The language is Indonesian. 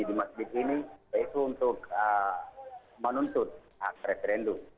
di masjid ini yaitu untuk menuntut hak referendu